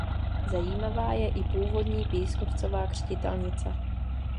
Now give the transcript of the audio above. Zajímavá je i původní pískovcová křtitelnice.